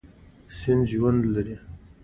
سیند ژوند لري.